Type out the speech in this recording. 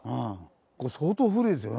これ相当古いですよね？